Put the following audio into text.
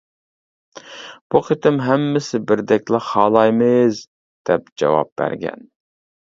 بۇ قېتىم ھەممىسى بىردەكلا «خالايمىز! » دەپ جاۋاب بەرگەن.